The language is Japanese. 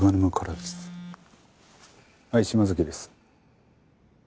はい島崎です。